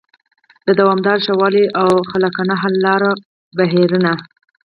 د دوامداره ښه والي او خلاقانه حل لارو بهیرونه